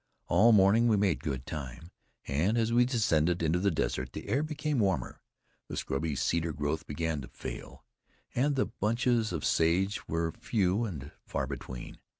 All morning we made good time, and as we descended into the desert, the air became warmer, the scrubby cedar growth began to fail, and the bunches of sage were few and far between.